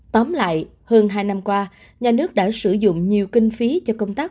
tóm lại hơn hai năm qua nhà nước đã sử dụng nhiều kinh phí cho công tác